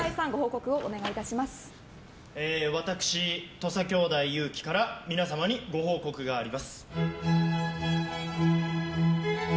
私、土佐有輝から皆様にご報告があります。